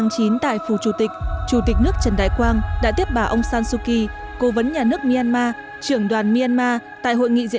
chủ tịch nước trần đại quang